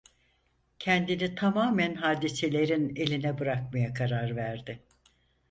Kendini tamamen hadiselerin eline bırakmaya karar verdi.